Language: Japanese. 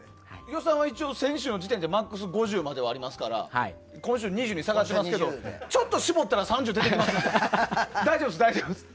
予算は一応、先週の時点でマックス５０までありますから今週、２０に下がっていますがちょっと絞ったら３０出てきますんで大丈夫です。